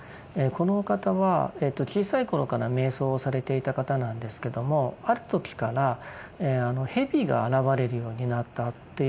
この方は小さい頃から瞑想をされていた方なんですけどもある時から蛇が現れるようになったっていうふうに言ってらっしゃいました。